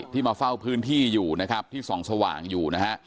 มาเฝ้าพื้นที่อยู่นะครับที่ส่องสว่างอยู่นะฮะ